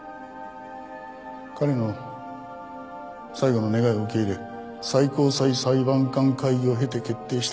彼の最後の願いを受け入れ最高裁裁判官会議を経て決定したことです。